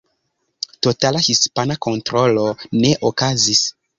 Totala hispana kontrolo ne okazis.